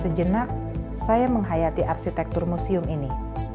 sejenak saya menghayati arsitektur museum ini